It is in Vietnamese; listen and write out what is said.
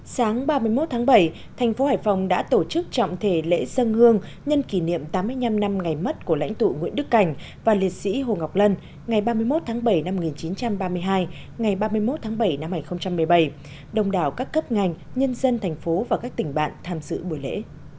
sáng ba mươi một tháng bảy thành phố hải phòng đã tổ chức trọng thể lễ dân hương nhân kỷ niệm tám mươi năm năm ngày mất của lãnh tụ nguyễn đức cảnh và liệt sĩ hồ ngọc lân ngày ba mươi một tháng bảy năm một nghìn chín trăm ba mươi hai ngày ba mươi một tháng bảy năm hai nghìn một mươi bảy đồng đảo các cấp ngành nhân dân thành phố và các tỉnh bạn tham dự buổi lễ